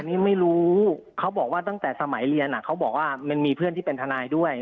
นี่ไม่รู้เขาบอกว่าตั้งแต่สมัยเรียนเขาบอกว่ามันมีเพื่อนที่เป็นทนายด้วย